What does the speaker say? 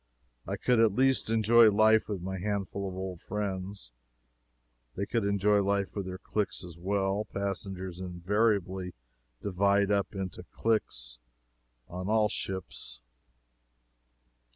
I could at least enjoy life with my handful of old friends. They could enjoy life with their cliques as well passengers invariably divide up into cliques, on all ships.